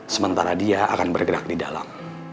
sementara dia akan bergerak di dalam